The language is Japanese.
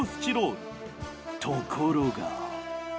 ところが。